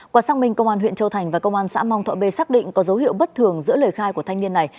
quả xác minh công an huyện châu thành và công an xã mong thọ b xác định có dấu hiệu bất thường giữa lời khai của thanh niên này